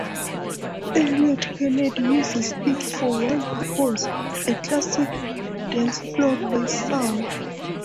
Eliot Kennedy uses it for one purpose, a "classic dancefloor bass sound.".